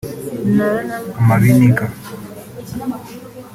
amabinika